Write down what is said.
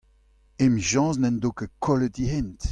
Emichañs n'en do ket kollet e hent !